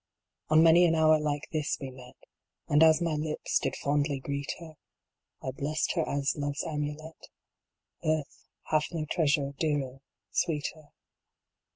On many an hour like this we met, And as my lips did fondly greet her, I blessed her as love s amulet : Earth hath no treasure, dearer, sweeter.